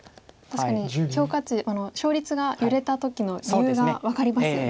確かに評価値勝率が揺れた時の理由が分かりますよね。